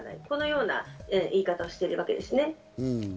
このような言い方をしているわけですね。